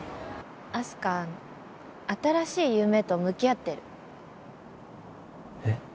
あす花新しい夢と向き合ってるえっ？